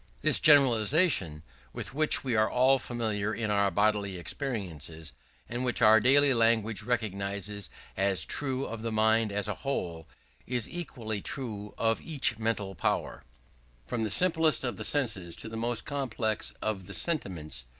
This generalization, with which we are all familiar in our bodily experiences, and which our daily language recognizes as true of the mind as a whole, is equally true of each mental power, from the simplest of the senses to the most complex of the sentiments.